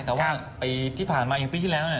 แต่ว่าปีที่ผ่านมาอยู่ปีที่แล้วเนี่ย